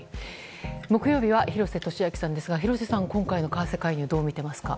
木曜日は廣瀬俊朗さんですが廣瀬さん、今回の為替介入どう見ていますか？